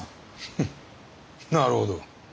フッなるほど。